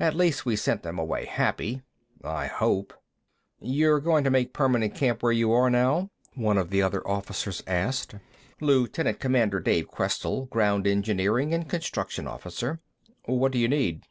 At least, we sent them away happy. I hope." "You're going to make permanent camp where you are now?" one of the other officers asked. Lieutenant Commander Dave Questell; ground engineering and construction officer. "What do you need?"